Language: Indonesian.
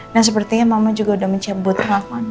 nah sepertinya mama juga udah menjemput pengakuannya